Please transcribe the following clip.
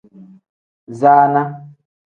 Zaana.